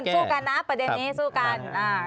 แต่เลือกสู้กันนะประเด็นนี้สู้กัน